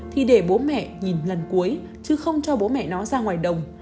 thì để bố mẹ nhìn lần cuối chứ không cho bố mẹ nó ra ngoài đồng